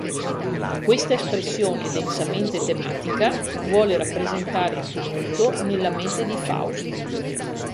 Questa espressione densamente tematica vuole rappresentare il tumulto nella mente di Faust.